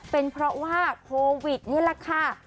เป็นเพราะว่าโควิดนี่แหละค่ะ